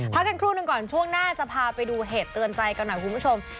กันครู่หนึ่งก่อนช่วงหน้าจะพาไปดูเหตุเตือนใจกันหน่อยคุณผู้ชม